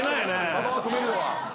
馬場を止めるのは。